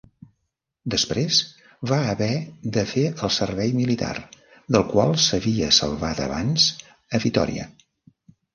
Després, va haver de fer el servei militar, del qual s'havia salvat abans, a Vitòria.